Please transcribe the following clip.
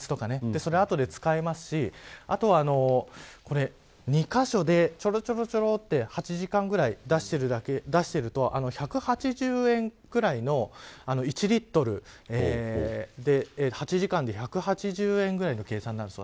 それは後で使えますしあとは２カ所で、ちょろちょろと８時間ぐらい出していると１８０円ぐらいの１リットルで８時間１８０円ぐらいの計算になるんです。